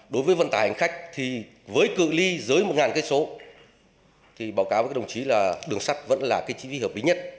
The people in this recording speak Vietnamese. đối với vận tải hành khách với cự li dưới một cây số báo cáo với đồng chí là đường sắt vẫn là chi phí hợp lý nhất